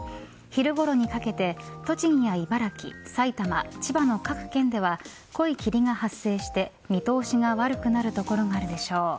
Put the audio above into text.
昼ごろにかけて栃木や茨城、さいたま千葉の各県では濃い霧が発生して見通しが悪くなる所があるでしょう。